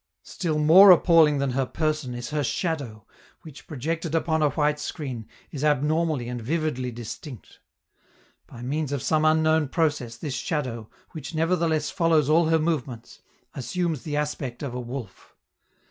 Still more appalling than her person is her shadow, which, projected upon a white screen, is abnormally and vividly distinct; by means of some unknown process this shadow, which nevertheless follows all her movements, assumes the aspect of a wolf.